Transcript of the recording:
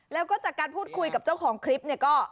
แล้วก็จากการพูดคุยกับเจ้าของคลิปเนี่ยก็